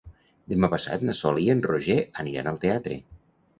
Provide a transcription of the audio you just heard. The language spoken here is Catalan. Demà passat na Sol i en Roger aniran al teatre.